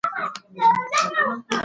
ځان د کامیابۍ په لور روان کړه.